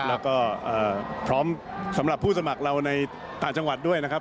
แล้วก็พร้อมสำหรับผู้สมัครเราในต่างจังหวัดด้วยนะครับ